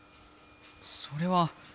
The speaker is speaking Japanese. それは。